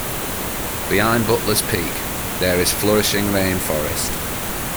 Behind Butler's peak, there is flourishing rain forest.